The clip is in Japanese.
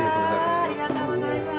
ありがとうございます。